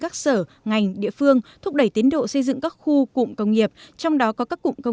các sở ngành địa phương thúc đẩy tiến độ xây dựng các khu cụm công nghiệp trong đó có các cụm công